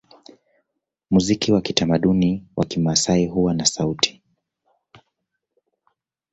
Muziki wa kitamaduni wa Kimasai huwa na sauti